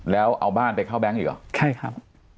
แล้วเอาบ้านไปเข้าแบงค์อีกเหรอใช่ครับ